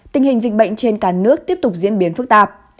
tình hình dịch bệnh trên cả nước tiếp tục diễn biến phức tạp